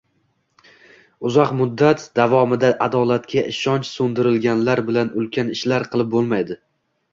Uzoq muddat davomida adolatga ishonchi so‘ndirilganlar bilan ulkan ishlar qilib bo‘lmaydi.